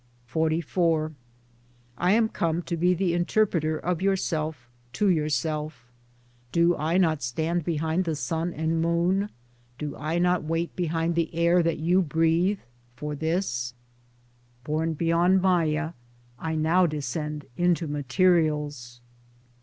66 Towards Democracy XLIV I AM come to be the interpreter of yourself to yourself ; [Do I not stand behind the sun and moon, do I not wait behind the air that you breathe, for this !] Born beyond Maya I now descend into materials.